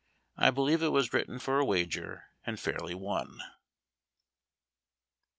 I believe it was written for a wager, and fairly won.